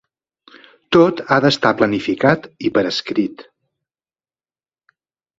Tot ha d'estar planificat, i per escrit.